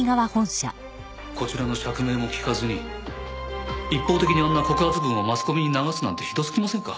こちらの釈明も聞かずに一方的にあんな告発文をマスコミに流すなんてひどすぎませんか？